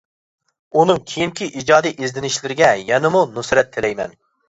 ئۇنىڭ كېيىنكى ئىجادىي ئىزدىنىشلىرىگە يەنىمۇ نۇسرەت تىلەيمەن.